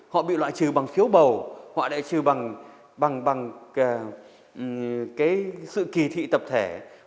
họ bị loại trừ bằng phiếu bầu họ bị loại trừ bằng sự kỳ thị tập thể